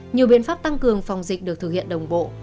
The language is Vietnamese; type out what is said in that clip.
nhiều biện pháp tăng cường phòng dịch được thực hiện đồng bộ